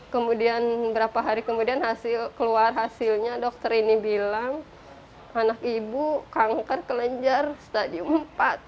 kemudian berapa hari kemudian keluar hasilnya dokter ini bilang anak ibu kanker kelenjar stadium empat